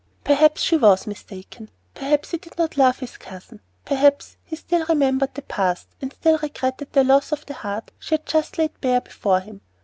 Perhaps she was mistaken; perhaps he did not love his cousin; perhaps he still remembered the past, and still regretted the loss of the heart she had just laid bare before him.